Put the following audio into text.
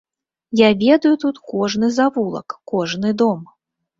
Я ведаю тут кожны завулак, кожны дом.